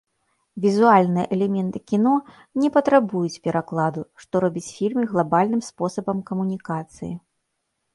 Візуальныя элементы кіно не патрабуюць перакладу, што робіць фільмы глабальным спосабам камунікацыі.